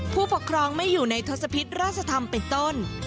ผู้ปกครองไม่อยู่ในทศพิษราชธรรมเป็นต้น